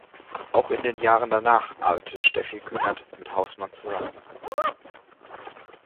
Auch in den Jahren danach arbeitete Steffi Kühnert mit Haußmann zusammen.